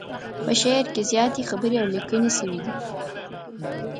په شعر زياتې خبرې او ليکنې شوي دي.